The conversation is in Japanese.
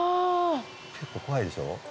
結構怖いでしょ？